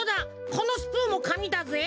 このスプーンもかみだぜ。